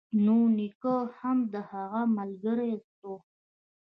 نو نيکه هم د هغه ملگرى سو.